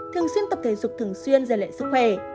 thường xuyên tập thể dục thường xuyên dành lệ sức khỏe